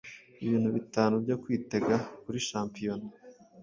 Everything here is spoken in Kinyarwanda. Ibintu bitanu byo kwitega kuri shampiyona